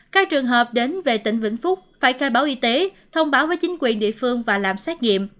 các trường hợp đến về tỉnh vĩnh phúc phải khai báo y tế thông báo với chính quyền địa phương và làm xét nghiệm